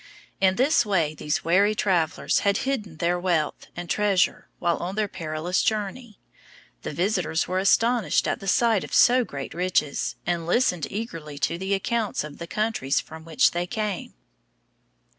In this way these wary travelers had hidden their wealth and treasure while on their perilous journey. The visitors were astonished at the sight of so great riches, and listened eagerly to the accounts of the countries from which they came.